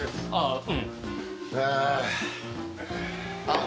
「ああ。